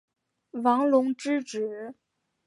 王隆之子。